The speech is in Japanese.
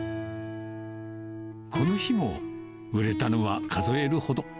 この日も、売れたのは数えるほど。